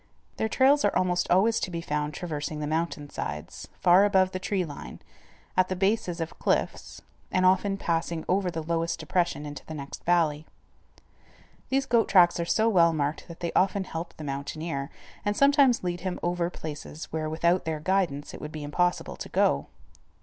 Their trails are almost always to be found traversing the mountain sides, far above the tree line, at the bases of cliffs, and often passing over the lowest depression into the next valley. These goat tracks are so well marked that they often help the mountaineer, and sometimes lead him over places where without their guidance it would be impossible to go.